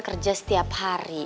kerja setiap hari